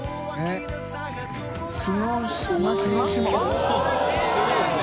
おぉすごいですね。